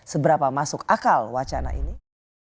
seberapa masuk akal wacana ini